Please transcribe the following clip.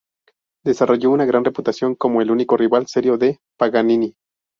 Desarrolló una gran reputación como el único rival serio de Paganini.